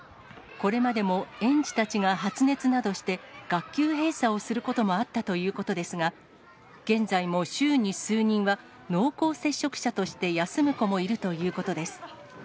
これまでも園児たちが発熱などして、学級閉鎖をすることもあったということですが、現在も、週に数人は濃厚接触者として休む子もいるということです。